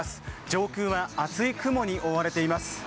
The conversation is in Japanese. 上空は厚い雲に覆われています。